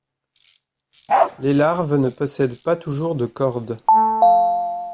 Les larves ne possèdent pas toujours de chorde.